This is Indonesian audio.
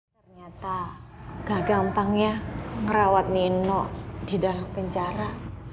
ternyata gak gampangnya ngerawat nino di dalam penjara